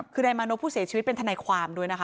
คือนายมานพผู้เสียชีวิตเป็นทนายความด้วยนะคะ